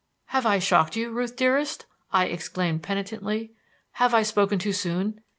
"Have I shocked you, Ruth dearest?" I exclaimed penitently, "have I spoken too soon?